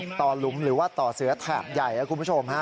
บ่องห้ะต่อหลุมหรือว่าต่อเสือแถบใหญ่นะครับคุณผู้ชม